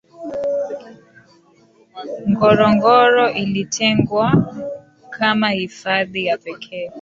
ngorongoro ilitengwa kama hifadhi ya pekee